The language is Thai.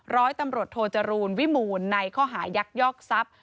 ร้อยตำรวจโทจรูลวิมูลในข้อหายักยอกทรัพย์